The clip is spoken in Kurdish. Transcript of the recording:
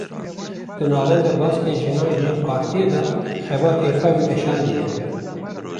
Di navenda baskên jinan yên partiyê de xebatên xwe meşandiye